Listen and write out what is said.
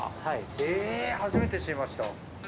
へぇ初めて知りました。